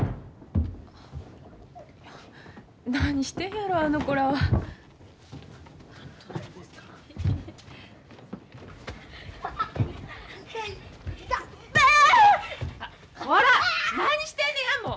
・何してんやろあの子らは。こら！何してんねやもう！